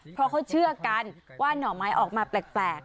เพราะเขาเชื่อกันว่าหน่อไม้ออกมาแปลก